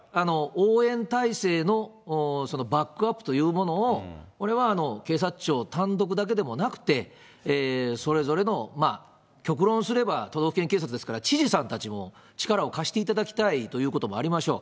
応援態勢のバックアップというものを、これは警察庁単独だけでもなくて、それぞれの、極論すれば、都道府県警察ですから知事さんたちも力を貸していただきたいというのもありましょう。